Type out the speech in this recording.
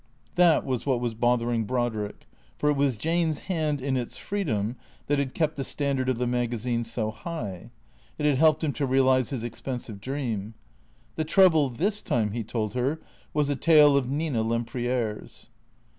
That was what was bothering Brodrick ; for it was Jane's hand, in its freedom, tliat had kept the standard of the maga zine so high. It had helped him to. realize his expensive dream. The trouble, this time, he told her, was a tale of Nina Lem priere's.